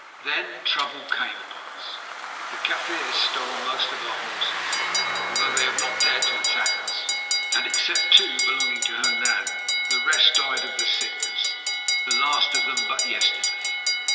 "Then trouble came upon us. The Kaffirs stole most of our horses, although they have not dared to attack us, and except two belonging to Hernan, the rest died of the sickness, the last of them but yesterday.